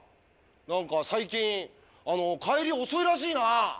何か最近帰り遅いらしいな！